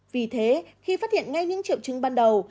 vì thế khi phát hiện ngay những triệu chứng ban đầu